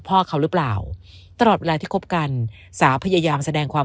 พ่อเขาหรือเปล่าตลอดเวลาที่คบกันสาพยายามแสดงความ